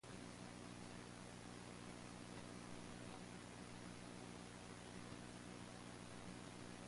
The area is home to Australia's largest concentration of feedlots.